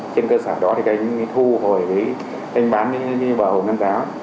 trên cơ sở đó thì anh thu hồi anh bán như bà hùng nam giáo